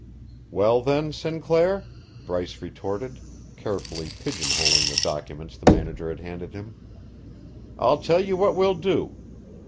"Well, then, Sinclair," Bryce retorted, carefully pigeon holing the documents the manager had handed him, "I'll tell you what we'll do.